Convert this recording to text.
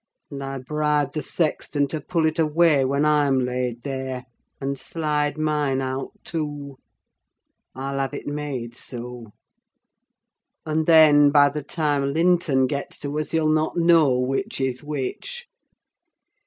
And I bribed the sexton to pull it away when I'm laid there, and slide mine out too; I'll have it made so: and then by the time Linton gets to us he'll not know which is which!"